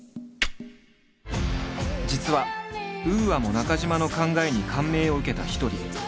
実はＵＡも中島の考えに感銘を受けた一人。